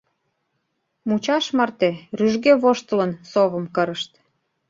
Мучаш марте, рӱжге воштылын, совым кырышт.